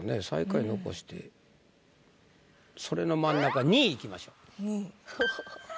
最下位残してそれの真ん中２位いきましょう。